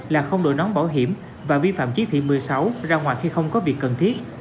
là không đổi nón bảo hiểm và vi phạm chí thị một mươi sáu ra ngoài khi không có việc cần thiết